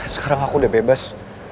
sekarang aku udah bebas